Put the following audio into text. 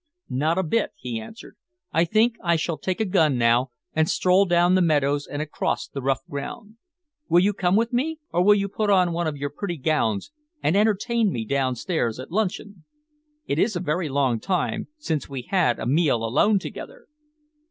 "Not a bit," he answered. "I think I shall take a gun now and stroll down the meadows and across the rough ground. Will you come with me, or will you put on one of your pretty gowns and entertain me downstairs at luncheon? It is a very long time since we had a meal alone together."